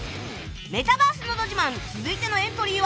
メタバースのど自慢続いてのエントリーは